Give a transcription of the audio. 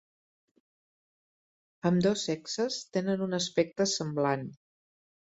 Ambdós sexes tenen un aspecte semblant.